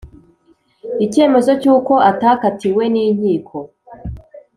icyemezo cy’uko atakatiwe ninkiko